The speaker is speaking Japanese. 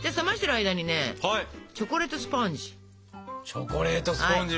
チョコレートスポンジ。